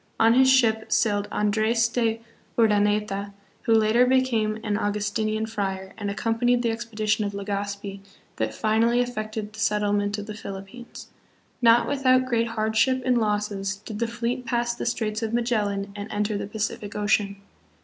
On his ship sailed Andres de Urdaneta, who later became an Augustinian friar and accompanied the expedition of Legazpi that finally effected the settlement of the Philippines. Not without great hardship and losses did the fleet pass the Straits of Magellan and enter the Pacific Ocean.